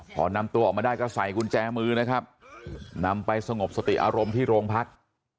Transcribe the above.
พอนำตัวออกมาได้ก็ใส่กุญแจมือนะครับนำไปสงบสติอารมณ์ที่โรงพัก